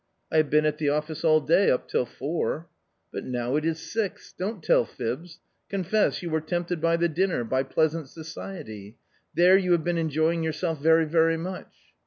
" I have been at the office all day up till four "" But now it is six. Don't tell fibs ; confess, you were tempted by the dinner, by pleasant society ? There you have been enjoying yourself very, very much."